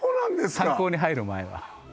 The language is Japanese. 炭鉱に入る前は。